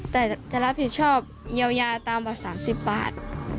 แต่จะรับผิดชอบเยี่ยวยาต่างบาท๓๐บาท